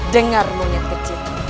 dengar monyet kecil